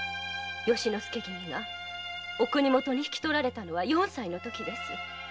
若君が国元へ引き取られたのは四歳の時です。